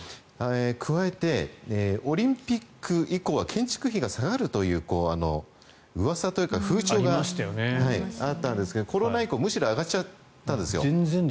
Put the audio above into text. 加えて、オリンピック以降は建築費が下がるといううわさというか風潮があったんですけどコロナ以降むしろ上がっちゃったんですよ。